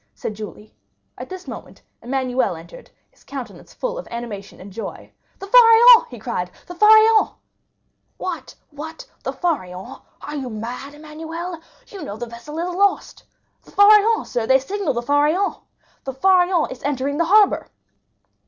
said Julie. At this moment Emmanuel entered, his countenance full of animation and joy. "The Pharaon!" he cried; "the Pharaon!" "What!—what!—the Pharaon! Are you mad, Emmanuel? You know the vessel is lost." "The Pharaon, sir—they signal the Pharaon! The Pharaon is entering the harbor!"